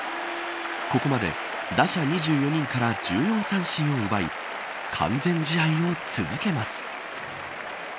ここまで、打者２４人から１４三振を奪い完全試合を続けます。